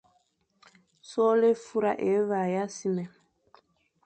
Soghle é fura é vagha simé,